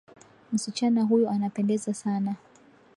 Msichana huyo anapendeza sana